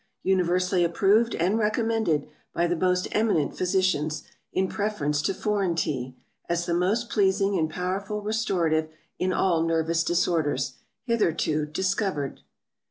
UNIVERSALLY APPROVED AND RECOMMENDED BY THE MOST EMINENT PHYSICIANS, IN PREFERENCE TO FOREIGN TEA, As the most Pleasing and POWERFUL RESTORATIVE, IN ALL NERVOUS DISORDERS, HITHERTO DISCOVERED.